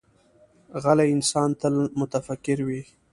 غلی انسان، تل متفکر وي.